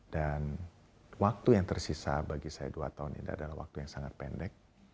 dan waktu yang tersisa bagi saya dua tahun ini adalah waktu yang sangat pendek